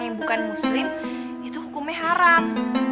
yang bukan muslim itu hukumnya haram